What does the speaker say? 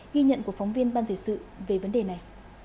ghi nhận của phóng viên ban thể sự về vấn đề này